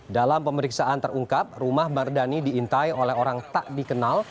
dalam pemeriksaan terungkap rumah mardani diintai oleh orang tak dikenal